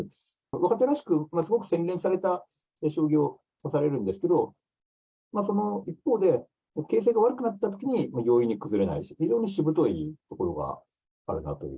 若手らしく、すごく洗練された将棋を指されるんですけど、その一方で形勢が悪くなったときに容易に崩れない、しぶといところがあるなという。